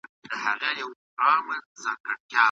که ناروغۍ ژر کشف شي، درملنه اسانه کېږي.